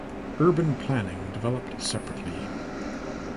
Urban planning developed separately.